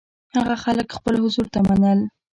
هغه خلک خپل حضور ته منل.